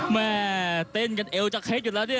แม่เต้นกันเอวจะเคล็ดอยู่แล้วเนี่ย